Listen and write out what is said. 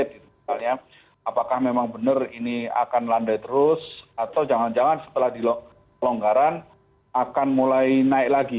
misalnya apakah memang benar ini akan landai terus atau jangan jangan setelah pelonggaran akan mulai naik lagi